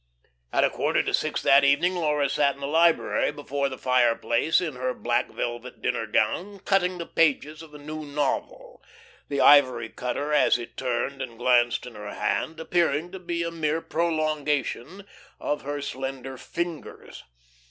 At quarter to six that evening Laura sat in the library, before the fireplace, in her black velvet dinner gown, cutting the pages of a new novel, the ivory cutter as it turned and glanced in her hand, appearing to be a mere prolongation of her slender fingers.